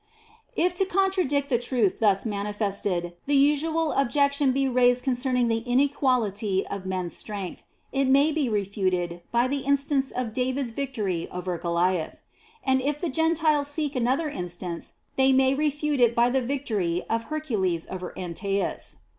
6. If to contradict the truth thus manifested, the usual objection be raised concerning the inequality of men's sttength, it may be refuted by the instance of David's victory over Goliath.* And if the Gentiles seek another instance, they may refute it by the victory of Hercules over Antaeus.'